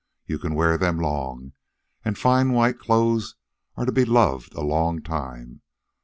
You can wear them long, and fine white clothes are to be loved a long time.